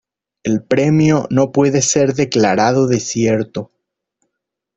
El Premio no puede ser declarado desierto.